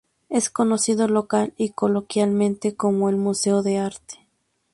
Es conocido local y coloquialmente como el "Museo de Arte".